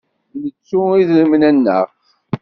Nettu idrimen-nneɣ?